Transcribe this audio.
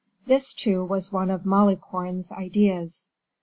This, too, was one of Malicorne's ideas.